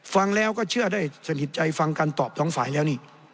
ฟังแล้วก็เชื่อได้สนิทใจฟังการตอบสองฝ่ายแล้วนี่